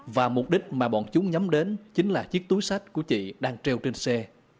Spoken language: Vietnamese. và mục đích mà bọn chúng nhắm đến chính là chiếc túi sách của chị đang treo trên xe